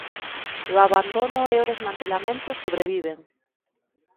E o abandono e o desmantelamento sobreviven.